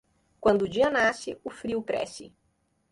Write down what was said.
Quando o dia nasce, o frio cresce.